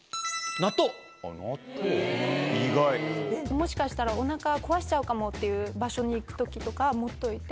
もしかしたらおなか壊しちゃうかもっていう場所に行くときとか持っといて。